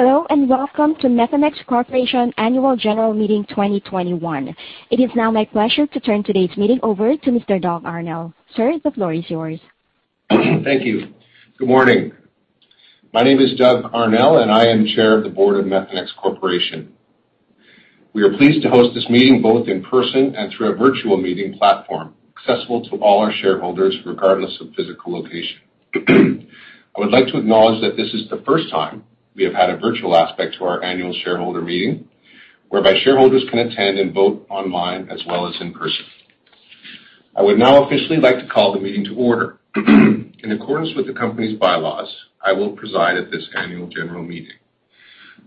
Hello, welcome to Methanex Corporation Annual General Meeting 2021. It is now my pleasure to turn today's meeting over to Mr. Doug Arnell. Sir, the floor is yours. Thank you. Good morning. My name is Doug Arnell, and I am Chair of the Board of Methanex Corporation. We are pleased to host this meeting both in person and through a virtual meeting platform, accessible to all our shareholders regardless of physical location. I would like to acknowledge that this is the first time we have had a virtual aspect to our annual shareholder meeting, whereby shareholders can attend and vote online as well as in person. I would now officially like to call the meeting to order. In accordance with the company's bylaws, I will preside at this annual general meeting.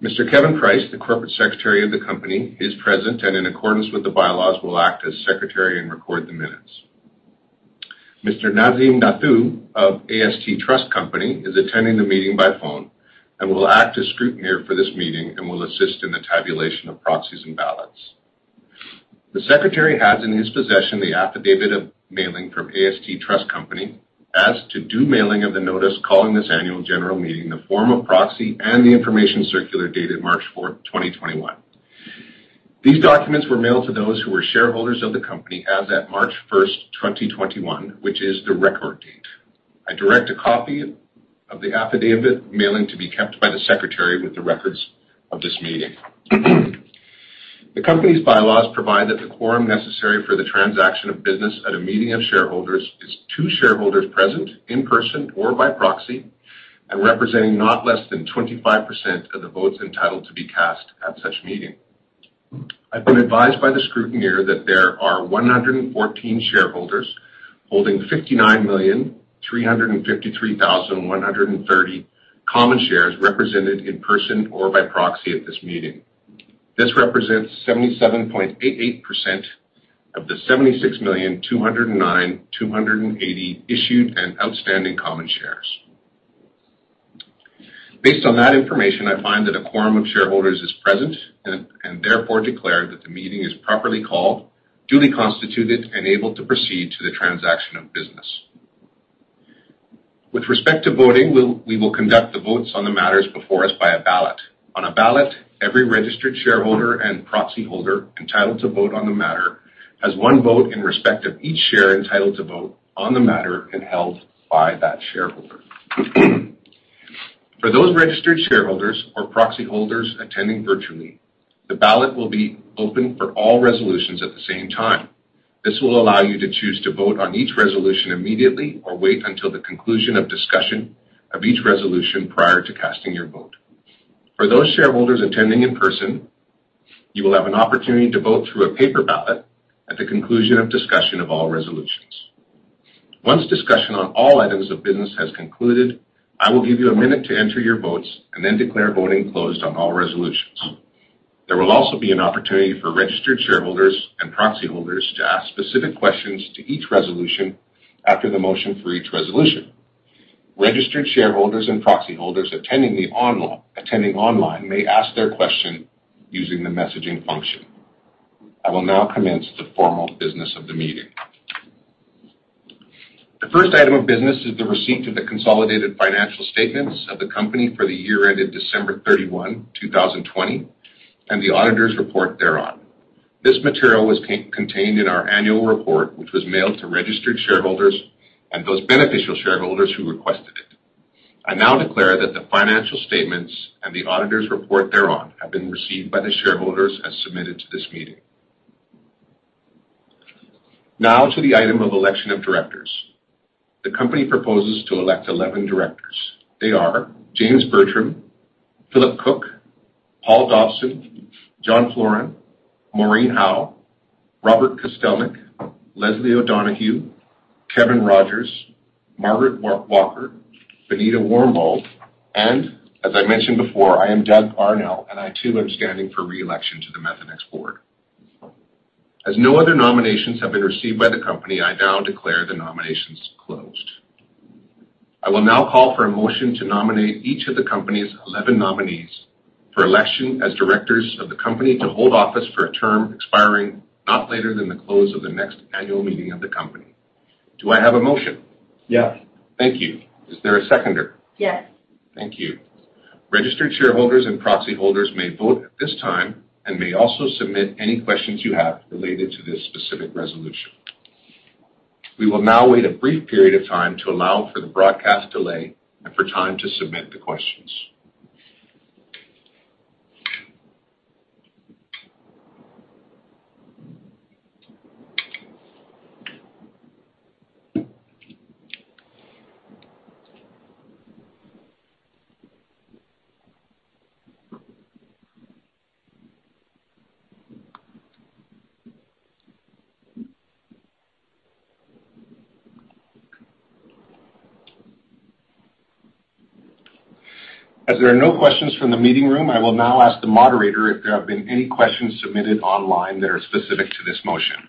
Mr. Kevin Price, the Corporate Secretary of the company, is present and, in accordance with the bylaws, will act as secretary and record the minutes. Mr. Nazim Dathoo of AST Trust Company is attending the meeting by phone and will act as scrutineer for this meeting and will assist in the tabulation of proxies and ballots. The secretary has in his possession the affidavit of mailing from AST Trust Company as to due mailing of the notice calling this Annual General Meeting, the form of proxy, and the information circular dated March 4th, 2021. These documents were mailed to those who were shareholders of the company as at March 1st, 2021, which is the record date. I direct a copy of the affidavit mailing to be kept by the secretary with the records of this meeting. The company's bylaws provide that the quorum necessary for the transaction of business at a meeting of shareholders is two shareholders present in person or by proxy and representing not less than 25% of the votes entitled to be cast at such meeting. I've been advised by the scrutineer that there are 114 shareholders holding 59,353,130 common shares represented in person or by proxy at this meeting. This represents 77.88% of the 76,209,280 issued and outstanding common shares. Based on that information, I find that a quorum of shareholders is present and therefore declare that the meeting is properly called, duly constituted, and able to proceed to the transaction of business. With respect to voting, we will conduct the votes on the matters before us by a ballot. On a ballot, every registered shareholder and proxy holder entitled to vote on the matter has one vote in respect of each share entitled to vote on the matter and held by that shareholder. For those registered shareholders or proxy holders attending virtually, the ballot will be open for all resolutions at the same time. This will allow you to choose to vote on each resolution immediately or wait until the conclusion of discussion of each resolution prior to casting your vote. For those shareholders attending in person, you will have an opportunity to vote through a paper ballot at the conclusion of discussion of all resolutions. Once discussion on all items of business has concluded, I will give you a minute to enter your votes and then declare voting closed on all resolutions. There will also be an opportunity for registered shareholders and proxy holders to ask specific questions to each resolution after the motion for each resolution. Registered shareholders and proxy holders attending online may ask their question using the messaging function. I will now commence the formal business of the meeting. The first item of business is the receipt of the consolidated financial statements of the company for the year ended December 31, 2020, and the auditor's report thereon. This material was contained in our annual report, which was mailed to registered shareholders and those beneficial shareholders who requested it. I now declare that the financial statements and the auditor's report thereon have been received by the shareholders as submitted to this meeting. Now to the item of election of directors. The company proposes to elect 11 directors. They are Jim Bertram, Philip Cook, Paul Dobson, John Floren, Maureen Howe, Robert Kostelnik, Leslie O'Donoghue, Kevin Rodgers, Margaret Walker, Benita Warmbold, and as I mentioned before, I am Doug Arnell, and I too am standing for re-election to the Methanex board. As no other nominations have been received by the company, I now declare the nominations closed. I will now call for a motion to nominate each of the company's 11 nominees for election as directors of the company to hold office for a term expiring not later than the close of the next annual meeting of the company. Do I have a motion? Yes. Thank you. Is there a seconder? Yes. Thank you. Registered shareholders and proxy holders may vote at this time and may also submit any questions you have related to this specific resolution. We will now wait a brief period of time to allow for the broadcast delay and for time to submit the questions. There are no questions from the meeting room, I will now ask the moderator if there have been any questions submitted online that are specific to this motion.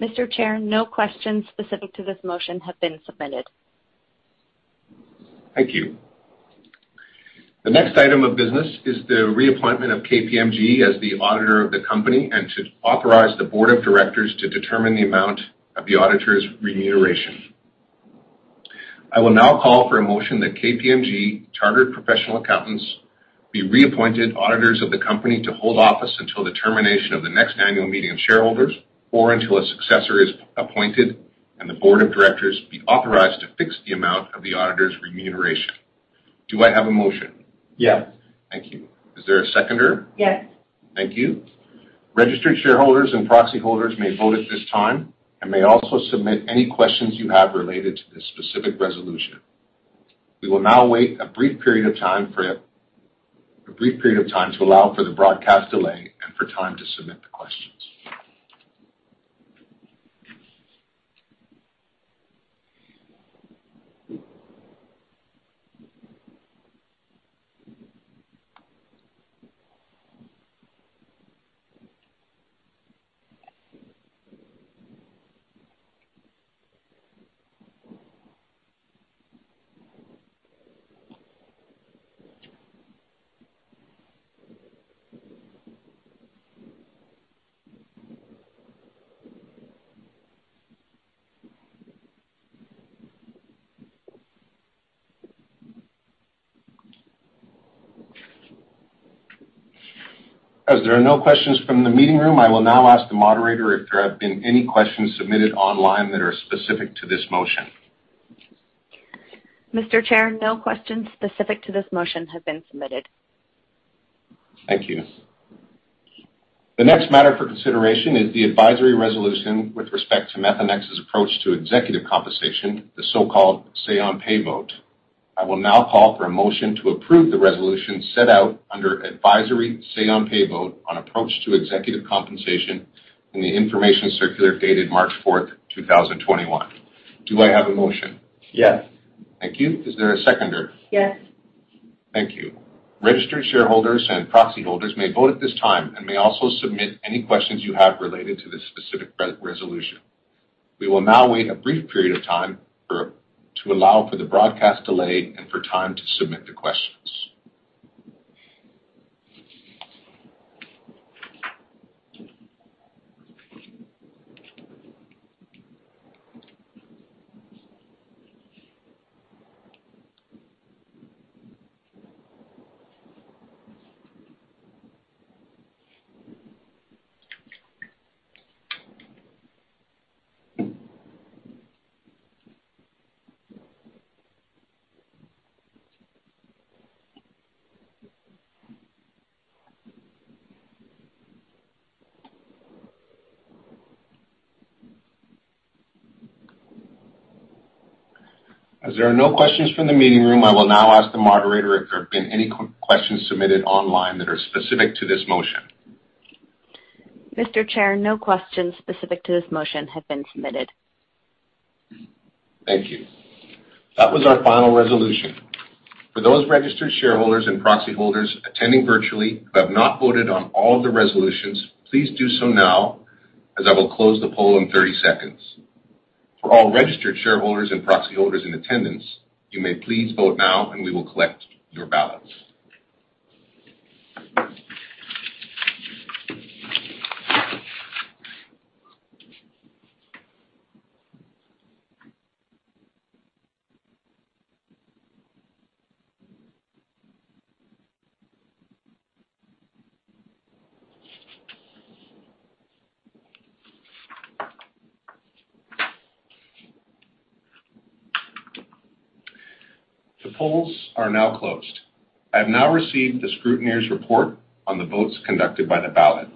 Mr. Chair, no questions specific to this motion have been submitted. Thank you. The next item of business is the reappointment of KPMG as the auditor of the company and to authorize the Board of Directors to determine the amount of the auditor's remuneration. I will now call for a motion that KPMG Chartered Professional Accountants be reappointed auditors of the company to hold office until the termination of the next annual meeting of shareholders, or until a successor is appointed, and the Board of Directors be authorized to fix the amount of the auditors' remuneration. Do I have a motion? Yes. Thank you. Is there a seconder? Yes. Thank you. Registered shareholders and proxy holders may vote at this time and may also submit any questions you have related to this specific resolution. We will now wait a brief period of time to allow for the broadcast delay and for time to submit the questions. As there are no questions from the meeting room, I will now ask the moderator if there have been any questions submitted online that are specific to this motion. Mr. Chair, no questions specific to this motion have been submitted. Thank you. The next matter for consideration is the advisory resolution with respect to Methanex's approach to executive compensation, the so-called say-on-pay vote. I will now call for a motion to approve the resolution set out under advisory say-on-pay vote on approach to executive compensation in the information circular dated March 4, 2021. Do I have a motion? Yes. Thank you. Is there a seconder? Yes. Thank you. Registered shareholders and proxy holders may vote at this time and may also submit any questions you have related to this specific resolution. We will now wait a brief period of time to allow for the broadcast delay and for time to submit the questions. As there are no questions from the meeting room, I will now ask the moderator if there have been any questions submitted online that are specific to this motion. Mr. Chair, no questions specific to this motion have been submitted. Thank you. That was our final resolution. For those registered shareholders and proxy holders attending virtually who have not voted on all of the resolutions, please do so now, as I will close the poll in 30 seconds. For all registered shareholders and proxy holders in attendance, you may please vote now, and we will collect your ballots. The polls are now closed. I have now received the scrutineers' report on the votes conducted by the ballot.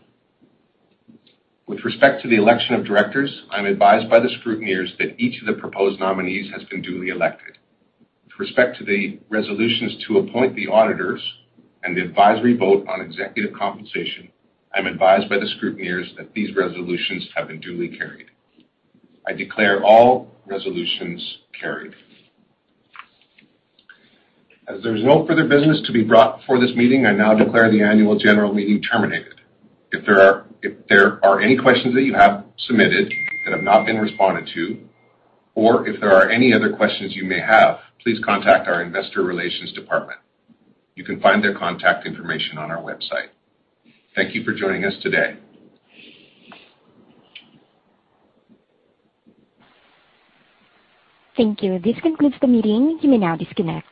With respect to the election of directors, I'm advised by the scrutineers that each of the proposed nominees has been duly elected. With respect to the resolutions to appoint the auditors and the advisory vote on executive compensation, I'm advised by the scrutineers that these resolutions have been duly carried. I declare all resolutions carried. As there's no further business to be brought before this meeting, I now declare the annual general meeting terminated. If there are any questions that you have submitted that have not been responded to, or if there are any other questions you may have, please contact our investor relations department. You can find their contact information on our website. Thank you for joining us today. Thank you. This concludes the meeting. You may now disconnect.